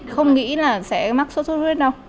không nghĩ là sẽ mắc xuất xuất huyết đâu